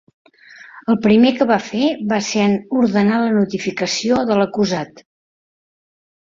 El primer que va fer va ser ordenar la notificació de l'acusat.